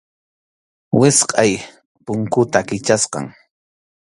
Wichqʼay punkuta Kichasqam.